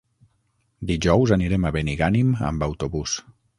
Dijous anirem a Benigànim amb autobús.